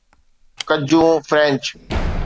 ڪجون French